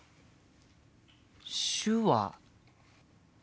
手話。